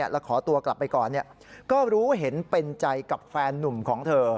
แล้วขอตัวกลับไปก่อนก็รู้เห็นเป็นใจกับแฟนนุ่มของเธอ